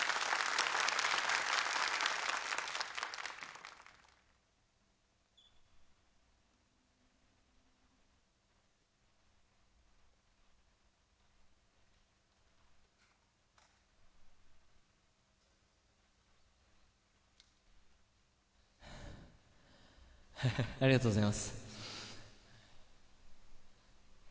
ありがとうございます。